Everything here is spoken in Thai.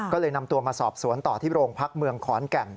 ก็เลยนำตัวมาสอบสวนต่อที่โรงพักเมืองขอนแก่น